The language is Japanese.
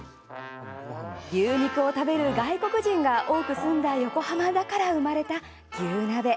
牛肉を食べる外国人が多く住んだ横浜だからこそ生まれた牛鍋。